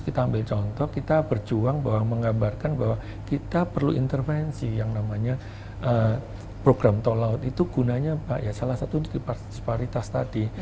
kita ambil contoh kita berjuang bahwa menggambarkan bahwa kita perlu intervensi yang namanya program tol laut itu gunanya salah satu disparitas tadi